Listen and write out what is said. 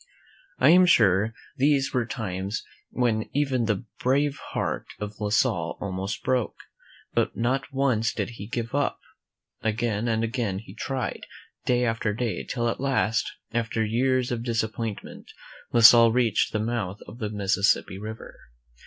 I am sure these were times when even the brave heart of La Salle almost broke, but not once did he give up. Again and again he tried, day after day, till at last, after years of disap pointment. La Salle reached the mouth of the Mississippi River.